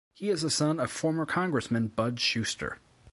He is a son of former Congressman Bud Shuster.